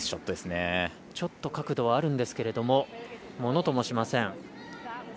ちょっと角度はあるんですけどものともしません。